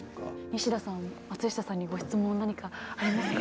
西田さん松下さんにご質問何かありますか？